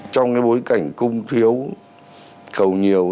trong cái bối cảnh cung thiếu cầu nhiều